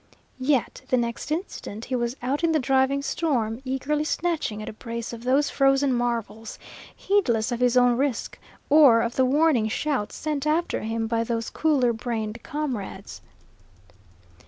Yet the next instant he was out in the driving storm, eagerly snatching at a brace of those frozen marvels, heedless of his own risk or of the warning shouts sent after him by those cooler brained comrades.